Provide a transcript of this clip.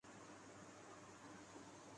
تو ان کے ہم قبیلہ ایک بے مثل شاعرکو یا دکرتا ہوں۔